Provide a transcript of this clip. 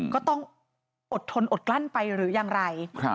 ก็ต้องอดทนอดกลั้นไปหรือยังไร